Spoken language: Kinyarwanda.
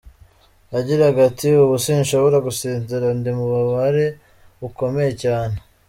Yagiraga ati: “Ubu sinshobora gusinzira , ndi mu bubabare bukomeye cyane.